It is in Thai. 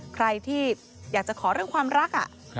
ใครที่อยากจะขอเรื่องความรัก